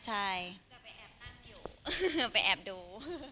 ใช่จะไปแอบนั่งอยู่ไปแอบดู